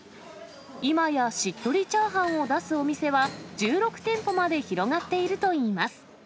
今やしっとり炒飯を出すお店は、１６店舗まで広がっているといいます。